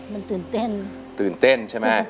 มันตื่นเต้น